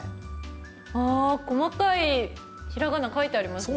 ああ、細かい平仮名書いてありますね。